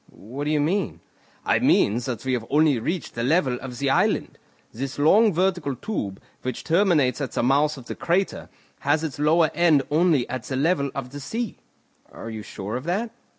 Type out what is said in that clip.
"What do you mean?" "I mean that we have only reached the level of the island, long vertical tube, which terminates at the mouth of the crater, has its lower end only at the level of the sea." "Are you sure of that?"